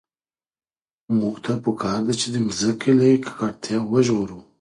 موږ ته په کار ده چي مځکه له ککړتیا وژغورو.